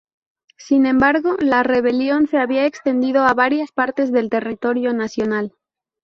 Sin embargo, la rebelión se había extendido a varias partes del territorio nacional.